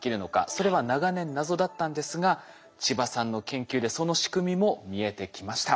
それは長年謎だったんですが千葉さんの研究でその仕組みも見えてきました。